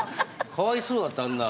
かわいそうだったあんな